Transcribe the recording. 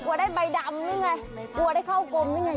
ได้ใบดำนี่ไงกลัวได้เข้ากลมนี่ไง